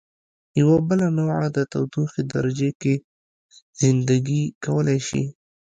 یوه بله نوعه د تودوخې درجې کې زنده ګي کولای شي.